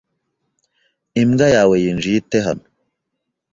Imbwa yawe yinjiye ite hano?